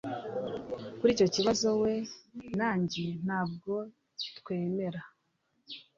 Kuri icyo kibazo we na njye ntabwo twemera